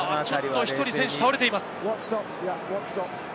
１人、選手が倒れています。